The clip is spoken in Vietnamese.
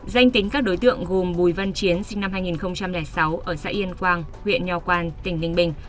danh tính các đối tượng gồm bùi văn chiến sinh năm hai nghìn sáu ở xã yên quang huyện nho quan tỉnh ninh bình